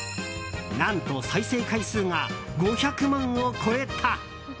何と、再生回数が５００万を超えた。